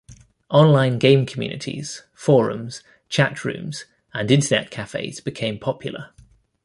Online game communities, forums, chat rooms and Internet cafes became popular.